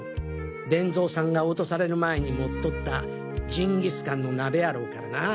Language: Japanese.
勉造さんが落とされる前に持っとったジンギスカンの鍋やろうからなぁ。